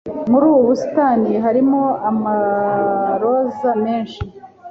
muri ubu busitani harimo amaroza menshi